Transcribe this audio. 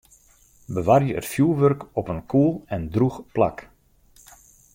Bewarje it fjoerwurk op in koel en drûch plak.